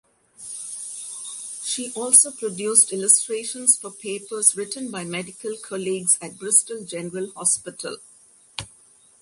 She also produced illustrations for papers written by medical colleagues at Bristol General Hospital.